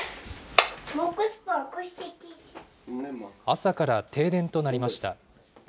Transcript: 朝から停電となりました。